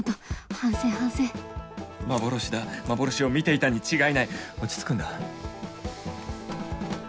反省反省幻だ幻を見ていたに違いない落ち着くんだ